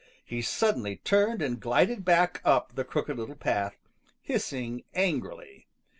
He suddenly turned and glided back up the Crooked Little Path, hissing angrily.